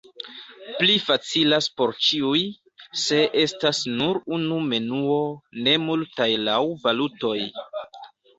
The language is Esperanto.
Pli facilas por ĉiuj, se estas nur unu menuo, ne multaj laŭ valutoj.